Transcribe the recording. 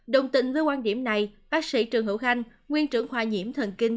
đồng tình với quan điểm này bác sĩ trần hữu khanh nguyên trưởng khoa nhiễm thần kinh